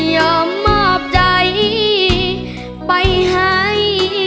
ยอมมอบใจไปให้